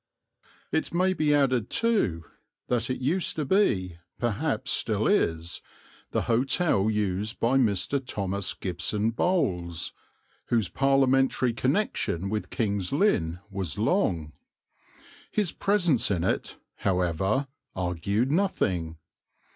It may be added, too, that it used to be, perhaps still is, the hotel used by Mr. Thomas Gibson Bowles, whose Parliamentary connection with King's Lynn was long. His presence in it, however, argued nothing.